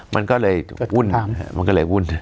มันก็เลยวุ่นมันก็เลยวุ่น